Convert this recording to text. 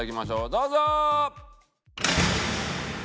どうぞ！